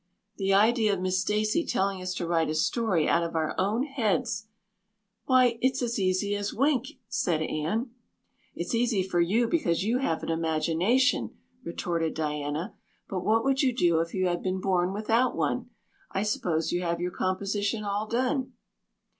The idea of Miss Stacy telling us to write a story out of our own heads!" "Why, it's as easy as wink," said Anne. "It's easy for you because you have an imagination," retorted Diana, "but what would you do if you had been born without one? I suppose you have your composition all done?"